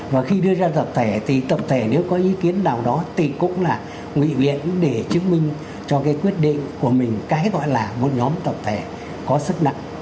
và khi đưa ra tập thể thì tập thể nếu có ý kiến nào đó thì cũng là nghị viện để chứng minh cho cái quyết định của mình cái gọi là một nhóm tập thể có sức nặng